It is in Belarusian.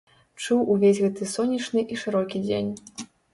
Чуў увесь гэты сонечны і шырокі дзень.